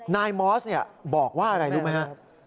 นายมอสบอกว่าอะไรรู้ไหมฮะ